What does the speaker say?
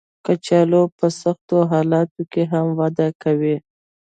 کچالو په سختو حالاتو کې هم وده کوي